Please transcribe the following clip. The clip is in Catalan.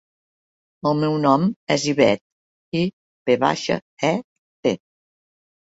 El meu nom és Ivet: i, ve baixa, e, te.